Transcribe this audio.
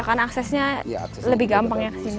ya kan aksesnya lebih gampang ya kesini